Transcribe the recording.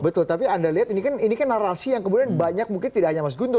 betul tapi anda lihat ini kan narasi yang kemudian banyak mungkin tidak hanya mas guntur